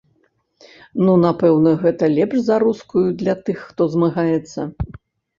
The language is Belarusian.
Ну напэўна, гэта лепш за рускую для тых, хто змагаецца?